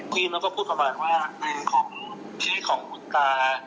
คือมันก็พูดประมาณว่าชีวิตของคุณตา